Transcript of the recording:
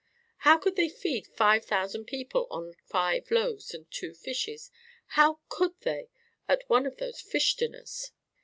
"How could they feed five thousand people on five loaves and two fishes? How could they? At one of those fish dinners!"